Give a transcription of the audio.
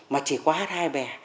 mà chỉ có hát hai bè